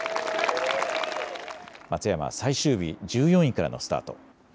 松山は最終日、１４位からのスタート。